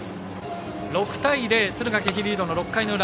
６対０、敦賀気比リードの６回の裏。